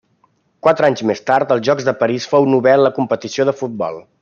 Quatre anys més tard, als Jocs de París fou novè en la competició de futbol.